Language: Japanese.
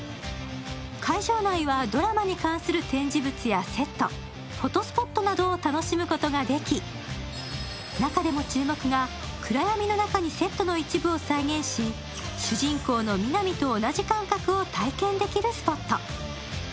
会場内は、ドラマに関する展示物やセット、フォトスポットなどを楽しむことができ、中でも注目が暗闇の中にセットの一部を再現し、主人公の皆実と同じ感覚を体験できるスポット。